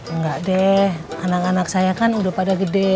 enggak deh anak anak saya kan udah pada gede